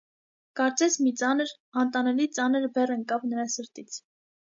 կարծես մի ծանր, անտանելի ծանր բեռ ընկավ նրա սրտից: